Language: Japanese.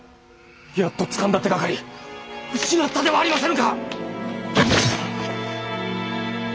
やっとつかんだ手がかり失ったではありませぬか！